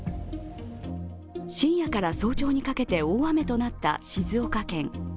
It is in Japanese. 深夜から早朝にかけて大雨となった静岡県。